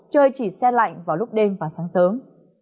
trời chỉ xe lạnh vào lúc đêm và sáng sớm